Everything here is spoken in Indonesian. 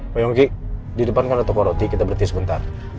pak yongki di depan kan ada toko roti kita berhenti sebentar